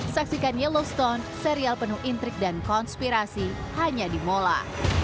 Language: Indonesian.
saksikan yellow stone serial penuh intrik dan konspirasi hanya di mola